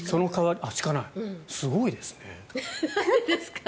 すごいですね。